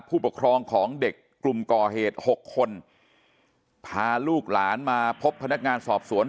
ผู้ปกครองของเด็กกลุ่มก่อเหตุหกคนพาลูกหลานมาพบพนักงานสอบสวน